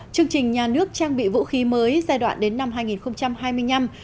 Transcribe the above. chương trình nhà nước trang bị vũ khí mới giai đoạn đến năm hai nghìn hai mươi năm